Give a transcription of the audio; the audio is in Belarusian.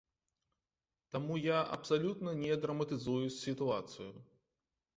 Таму я абсалютна не драматызую сітуацыю.